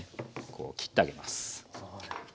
こう切ってあげます。